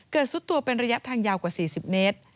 ซุดตัวเป็นระยะทางยาวกว่า๔๐เมตร